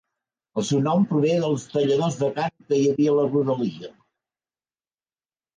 El seu nom prové dels talladors de carn que hi havia a la rodalia.